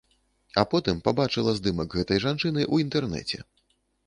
А потым пабачыла здымак гэтай жанчыны ў інтэрнэце.